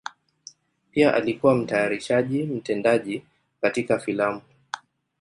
Pia alikuwa mtayarishaji mtendaji katika filamu.